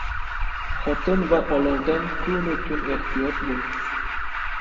• Xotin va olovdan kunu tun ehtiyot bo‘l.